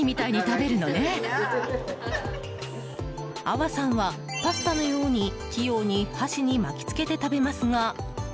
アワさんはパスタのように器用に箸に巻き付けて食べますが。